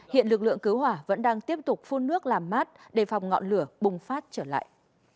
hiện lực lượng cứu hỏa vẫn đang tiếp tục phun nước làm mát đề phòng ngọn lửa bùng phát trở lại